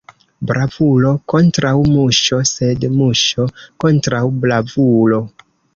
Bravulo kontraŭ muŝo, sed muŝo kontraŭ bravulo.